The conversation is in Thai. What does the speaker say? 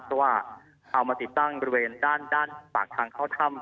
เพราะว่าเอามาติดตั้งบริเวณด้านปากทางเข้าถ้ำ